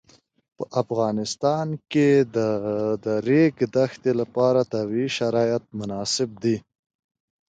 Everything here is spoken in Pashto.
په افغانستان کې د د ریګ دښتې لپاره طبیعي شرایط مناسب دي.